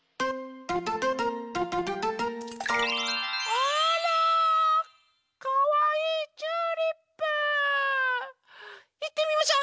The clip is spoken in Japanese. あらかわいいチューリップ！いってみましょ！